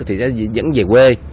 thì sẽ dẫn về quê